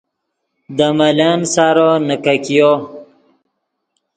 دے ملن سارو نیکګیو